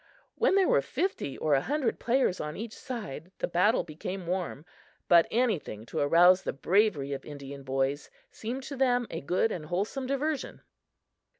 When there were fifty or a hundred players on each side, the battle became warm; but anything to arouse the bravery of Indian boys seemed to them a good and wholesome diversion.